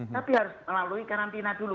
tapi harus melalui karantina dulu